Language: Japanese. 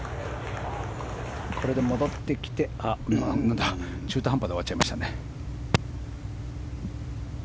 これで戻ってきて中途半端で終わっちゃいましたね。